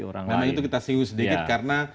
orang lain namanya itu kita siuh sedikit karena